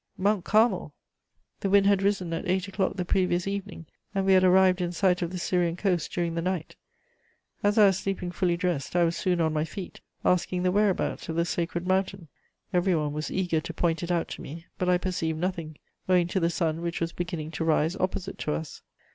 _' Mount Carmel! The wind had risen at eight o'clock the previous evening, and we had arrived in sight of the Syrian coast during the night. As I was sleeping fully dressed, I was soon on my feet, asking the whereabouts of the sacred mountain. Everyone was eager to point it out to me; but I perceived nothing, owing to the sun which was beginning to rise opposite to us.